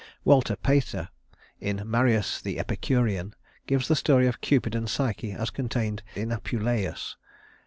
Walter Pater, in "Marius the Epicurean," gives the story of Cupid and Psyche as contained in Apuleius.